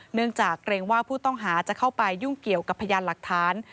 เนื่องจากเกรงว่าผู้ต้องหาจะเข้าไปยุ่งเกี่ยวกับพยานหลักฐาน